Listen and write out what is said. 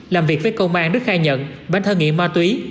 làm việc với công an rất khai nhận bán thân nghiệp ma túy